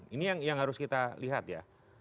ini yang harus kita lihat ya